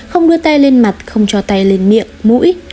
không đưa tay lên mặt không cho tay lên miệng mũi